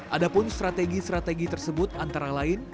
adapun strategi strategi tersebut antara lain